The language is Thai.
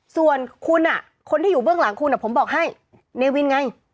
ส่วนคุณคนที่อยู่เบื้องหลังคุณผมบอกให้เนวินไง